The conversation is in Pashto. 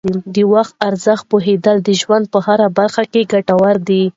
د وخت ارزښت پوهیدل د ژوند په هره برخه کې ګټور دي.